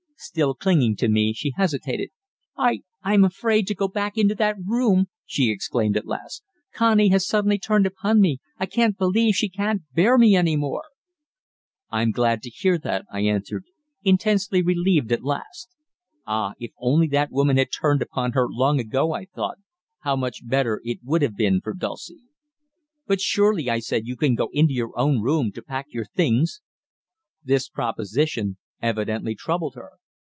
Still clinging to me, she hesitated. "I I am afraid to go back into that room," she exclaimed at last. "Connie has suddenly turned upon me I believe she can't bear me any more." "I'm glad to hear that," I answered, intensely relieved at last. Ah, if only the woman had "turned upon" her long before, I thought, how much better it would have been for Dulcie. "But surely," I said, "you can go into your own room to pack your things." This proposition evidently troubled her.